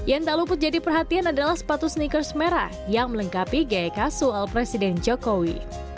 yang tak luput jadi perhatian adalah sepatu sneakers merah yang melengkapi gaya kasual presiden jokowi